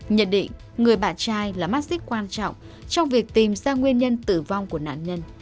nhận định người bạn trai là mắt xích quan trọng trong việc tìm ra nguyên nhân tử vong của nạn nhân